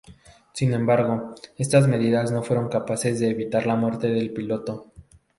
Sin embargo, estas medidas no fueron capaces de evitar la muerte del piloto.